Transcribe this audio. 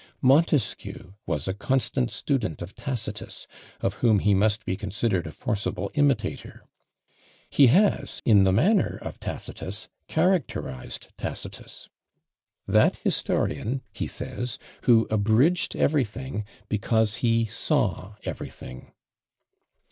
Montesquieu was a constant student of Tacitus, of whom he must be considered a forcible imitator. He has, in the manner of Tacitus, characterised Tacitus: "That historian," he says, "who abridged everything, because he saw everything."